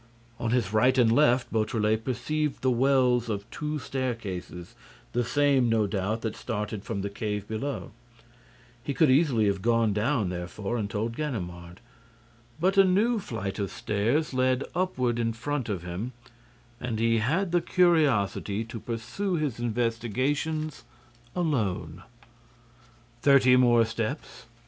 On his right and left, Beautrelet perceived the wells of two staircases, the same, no doubt, that started from the cave below. He could easily have gone down, therefore, and told Ganimard. But a new flight of stairs led upward in front of him and he had the curiosity to pursue his investigations alone. Thirty more steps.